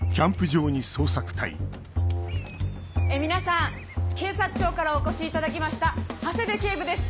皆さん警察庁からお越しいただきました長谷部警部です。